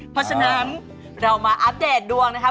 เพราะฉะนั้นเรามาอัปเดตดวงนะครับ